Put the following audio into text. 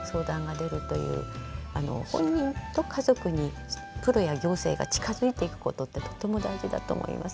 本人と家族にプロや行政が近づいていくことってとても大事だと思います。